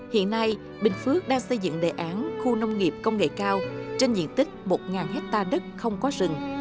hiện nay bình phước đang xây dựng đề án khu nông nghiệp công nghệ cao trên diện tích một hectare đất không có rừng